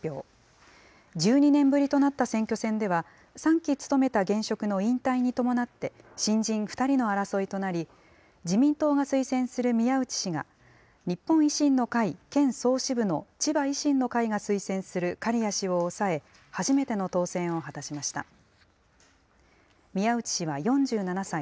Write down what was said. １２年ぶりとなった選挙戦では、３期務めた現職の引退に伴って、新人２人の争いとなり、自民党が推薦する宮内氏が、日本維新の会県総支部の千葉維新の会が推薦する苅谷氏を抑え、初めての当選を果たしました。